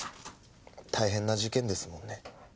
大変な事件ですもんね。